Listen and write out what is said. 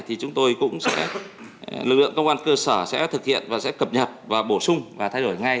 thì chúng tôi cũng sẽ lực lượng công an cơ sở sẽ thực hiện và sẽ cập nhật và bổ sung và thay đổi ngay